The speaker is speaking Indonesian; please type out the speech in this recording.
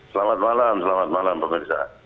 selamat malam selamat malam pak bersa